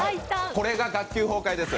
これが学級崩壊です。